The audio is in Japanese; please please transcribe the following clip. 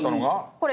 これ。